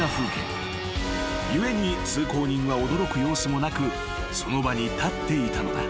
［故に通行人は驚く様子もなくその場に立っていたのだ］